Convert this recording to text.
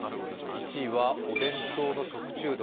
１位はお弁当の食中毒。